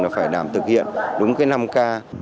là phải đảm thực hiện đúng cái năm k